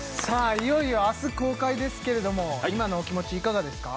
いよいよ明日公開ですけれどもはい今のお気持ちいかがですか？